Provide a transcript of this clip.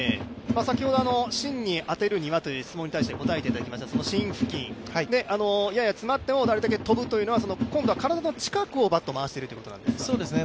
先ほど芯に当てるにはという質問に対して答えていただきましたけれども、その芯付近、やや詰まってもあれだけ飛ぶというのは今度は体の近くをバットを回しているということなんですか。